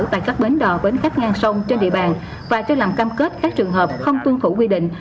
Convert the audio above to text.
tại các bến đò bến khách ngang sông trên địa bàn và chưa làm cam kết các trường hợp không tuân thủ quy định